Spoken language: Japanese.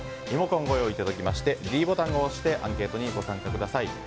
リモコンご用意いただきましてｄボタンを押してアンケートにご参加ください。